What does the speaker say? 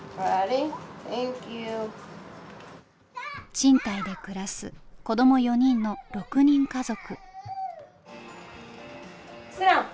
賃貸で暮らす子供４人の６人家族。